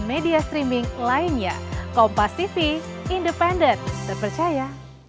media streaming lainnya kompas tv independen terpercaya